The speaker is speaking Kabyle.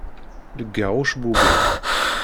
Leggaɣ ucebbub-im.